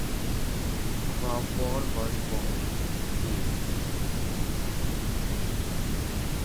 Crawford was born in Perth.